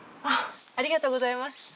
ありがとうございます。